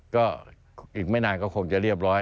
ก็อีกไม่นานก็คงจะเรียบร้อย